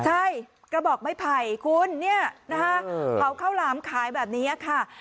ใช่กระบอกไม้ไผ่คุณเนี่ยนะคะเผาข้าวหลามขายแบบนี้ค่ะ